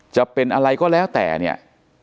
จะเป็นอะไรก็แล้วแต่เนี่ย